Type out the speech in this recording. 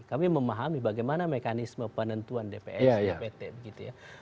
kami memahami bagaimana mekanisme penentuan dps apt gitu ya